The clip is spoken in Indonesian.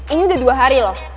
ini udah dua hari loh